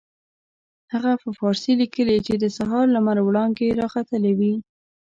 هغه په فارسي لیکلي چې د سهار لمر وړانګې را ختلې وې.